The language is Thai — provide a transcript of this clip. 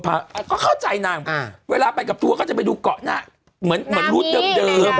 ก็เข้าใจนางเวลาไปกับตัวก็จะไปดูเกาะหน้าเหมือนเหมือนรูดเดิม